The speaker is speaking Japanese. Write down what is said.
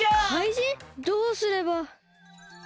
どうすれば。